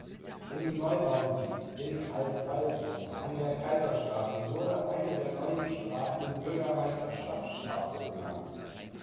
Im Neubaugebiet in Alt-Walsum an der Kaiserstraße wurde eine der neuen Straßen "Bürgermeister-Stapp-Straße" benannt.